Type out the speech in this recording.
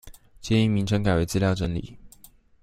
建議名稱改為資料整理